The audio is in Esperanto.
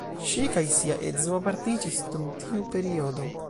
Ŝi kaj sia edzo apartiĝis dum tiu periodo.